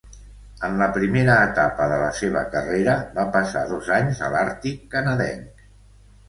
En la primera etapa de la seva carrera, va passar dos anys a l'Àrtic canadenc.